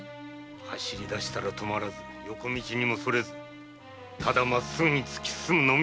⁉走り出したら止まらず横道にもそれずまっすぐ突き進むのみ。